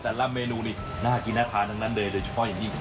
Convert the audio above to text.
แต่ละเมนูนี่น่ากินน่าทานทั้งนั้นเลยโดยเฉพาะอย่างยิ่ง